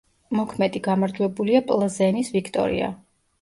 მოქმედი გამარჯვებულია პლზენის „ვიქტორია“.